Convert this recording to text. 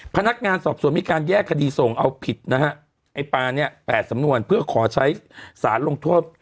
พนักงานสอบสวนมีการแยกคดีส่งเอาผิดนะฮะไอ้ปลาเนี่ย๘สำนวนเพื่อขอใช้สารลงโทษ